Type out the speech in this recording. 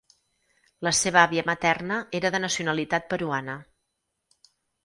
La seva àvia materna era de nacionalitat peruana.